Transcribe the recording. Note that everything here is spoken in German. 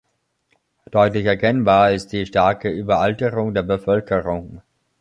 Deutlich erkennbar ist die starke Überalterung der Bevölkerung.